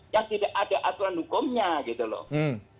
yang tidak ada aturan hukumnya gitu loh